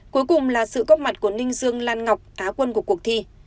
cuối cùng là sự góp mặt của ninh dương lan ngọc á quân của cuộc thi